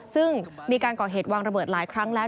ซึ่งมีการก่อเหตุวางระเบิดหลายครั้งแล้ว